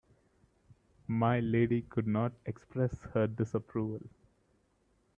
My lady could not express her disapproval.